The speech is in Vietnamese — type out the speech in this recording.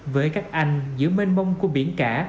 với các anh giữa mênh mông của biển cả